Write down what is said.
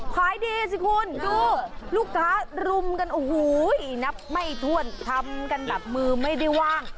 ขายดีสิคุณดูลูกค้ารุมกันโอ้โหนับไม่ถ้วนทำกันแบบมือไม่ได้ว่าง